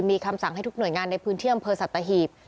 มีคำสั่งให้ทุกหน่วยงานในพื้นเที่ยมเผอร์สัตว์ตะหีบ